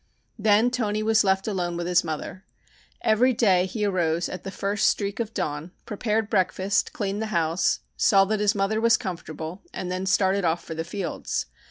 Then Toni was left alone with his mother. Every day he arose at the first streak of dawn, prepared breakfast, cleaned the house, saw that his mother was comfortable and then started off for the fields.